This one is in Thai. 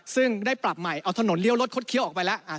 ซึ่งได้ปรับใหม่เอาถนนเลี้ยวรถคดเคี้ยวออกไปแล้ว